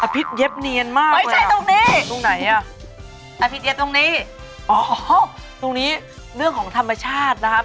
อภิษเย็บเนียนมากเลยอะตรงไหนอะอ๋อตรงนี้เรื่องของธรรมชาตินะครับ